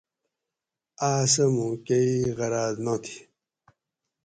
آس سہ موں کئ غراۤض نا تھی